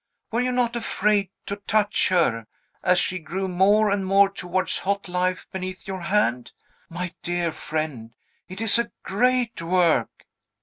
Were you not afraid to touch her, as she grew more and more towards hot life beneath your hand? My dear friend, it is a great work!